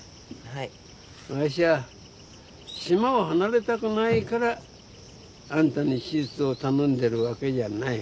わしゃ島を離れたくないからあんたに手術を頼んでるわけじゃない。